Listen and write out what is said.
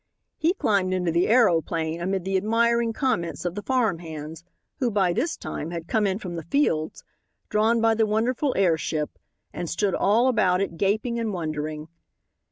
He climbed into the aeroplane amid the admiring comments of the farm hands, who, by this time, had come in from the fields, drawn by the wonderful airship, and stood all about it gaping and wondering.